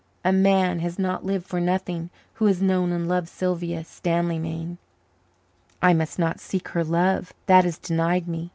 A man has not lived for nothing who has known and loved Sylvia Stanleymain. I must not seek her love that is denied me.